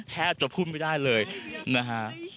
แทบจะพูดไม่ได้เลยนะฮะ